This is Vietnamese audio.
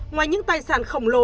ngoài những tài sản khổng lồ